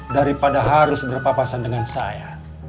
daripada harus berpapasan dengan saya